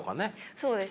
そうですね。